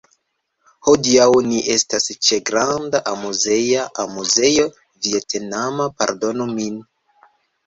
Hodiaŭ ni estas ĉe granda amuzeja... amuzejo vietnama... pardonu min